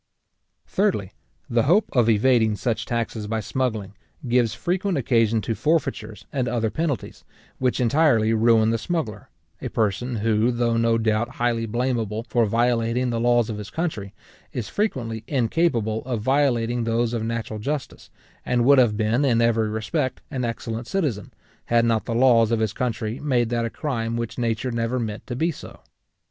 Thirdly, the hope of evading such taxes by smuggling, gives frequent occasion to forfeitures and other penalties, which entirely ruin the smuggler; a person who, though no doubt highly blameable for violating the laws of his country, is frequently incapable of violating those of natural justice, and would have been, in every respect, an excellent citizen, had not the laws of his country made that a crime which nature never meant to be so.